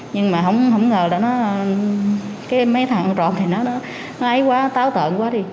nhưng mà không ngờ là nó cái mấy thằng trộm thì nó ấy quá táo tợn quá đi